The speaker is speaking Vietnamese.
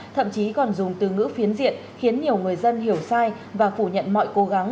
thậm chí còn dùng từ ngữ phiến diện khiến nhiều người dân hiểu sai và phủ nhận mọi cố gắng